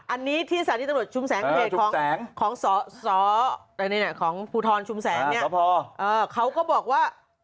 อันนี้ที่สถานีตรวจชุมแสงเพจของของศของภูทรชุมแสงเนี่ย